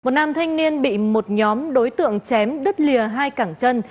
một nàm thanh niên bị một nhóm đối tượng chém đứt lìa hai cẳng chân